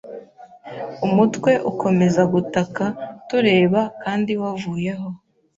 umutwe ukomeza gutaka tureba kandi wavuyeho